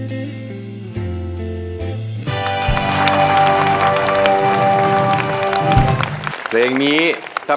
อินโทรยกที่สองของคุณซิมมาเลยครับ